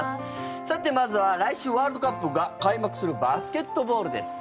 さて、まずは来週ワールドカップが開幕するバスケットボールです。